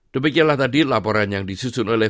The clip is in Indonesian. demikianlah tadi laporan yang disusun oleh